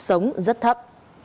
sống rất thấp